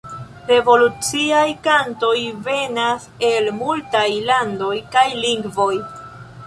Revoluciaj kantoj venas el multaj landoj kaj lingvoj.